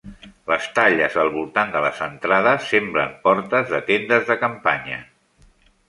Les talles al voltant de les entrades semblen portes de tendes de campanya.